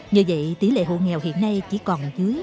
nhờ vậy tỷ lệ hộ nghèo hiện nay chỉ còn dưới